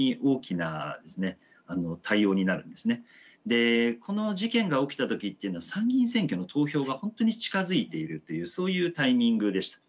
でこの事件が起きた時っていうのは参議院選挙の投票が本当に近づいているというそういうタイミングでした。